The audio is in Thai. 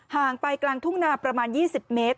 ห่างไปกลางทุ่งนาประมาณ๒๐เมตร